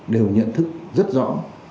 đều nhận thức rất rõ